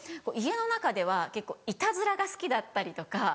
家の中では結構いたずらが好きだったりとか。